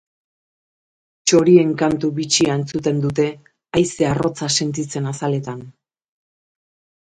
Txorien kantu bitxia entzuten dute, haize arrotza sentitzen azaletan.